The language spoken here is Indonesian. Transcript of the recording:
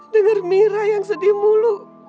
dengar mira yang sedih mulu